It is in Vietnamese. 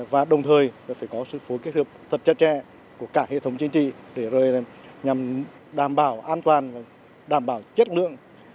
và đồng thời phải có sự phối kết hợp thật chặt chẽ của cả hệ thống chính trị để rồi nhằm đảm bảo an toàn đảm bảo chất lượng